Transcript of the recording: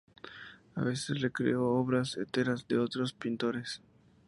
A veces recreó obras enteras de otros pintores.